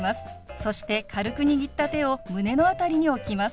そして軽く握った手を胸の辺りに置きます。